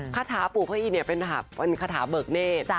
คาถาปู่พระอินเป็นคาถาเบิกเนธ